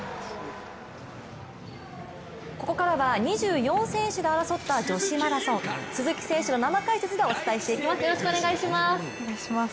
ここからは２４選手で争った女子マラソン鈴木選手の生解説でお伝えしていきます。